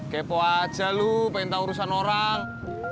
kepo aja lu pengen tahu urusan orang